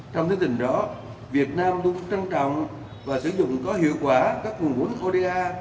trong thế tình đó việt nam luôn trân trọng và sử dụng có hiệu quả các nguồn vốn oda